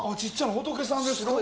仏さんですか？